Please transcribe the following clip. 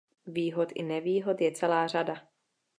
Výhod i nevýhod je celá řada.